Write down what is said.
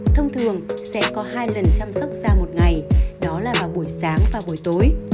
thông thường sẽ có hai lần chăm sóc da một ngày đó là vào buổi sáng và buổi tối